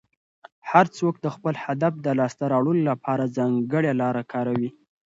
هر څوک د خپل هدف د لاسته راوړلو لپاره ځانګړې لاره کاروي.